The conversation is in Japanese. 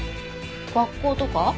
学校とか？